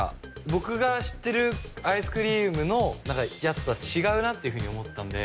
僕が知ってるアイスクリームのやつとは違うなって思ったんで。